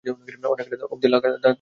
অনেক রাত অব্ধি থাকা লাগতে পারে।